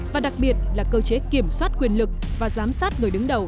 và đặc biệt là cơ chế kiểm soát quyền lực và giám sát người đứng đầu